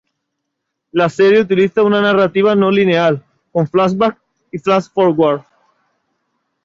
La serie utiliza una narrativa no lineal, con flashbacks y flash-forwards.